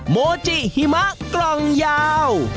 โมจิหิมะกล่องยาว